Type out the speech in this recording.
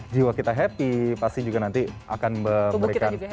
jiwa kita happy pasti juga nanti akan memberikan